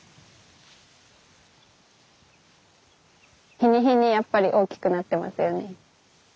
日に日にやっぱり大きくなってますよね。